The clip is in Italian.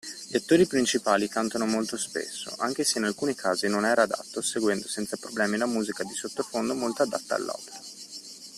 Gli attori principali cantano molto spesso, anche se in alcuni casi non era adatto, seguendo senza problemi la musica di sottofondo molto adatta all’opera.